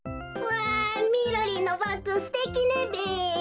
わあみろりんのバッグすてきねべ。